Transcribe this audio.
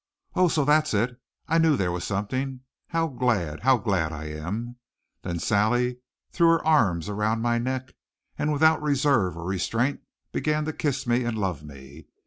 "Oh, so that's it! I knew there was something. How glad how glad I am!" Then Sally threw her arms around my neck, and without reserve or restraint began to kiss me and love me.